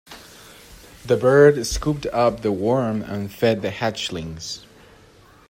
The bird scooped up the worm and fed the hatchlings.